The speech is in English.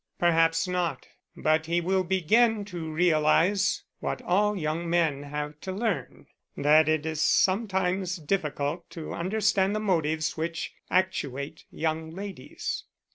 "Perhaps not. But he will begin to realize, what all young men have to learn, that it is sometimes difficult to understand the motives which actuate young ladies."